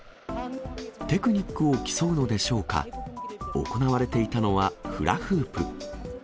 テクニックを競うのでしょうか、行われていたのはフラフープ。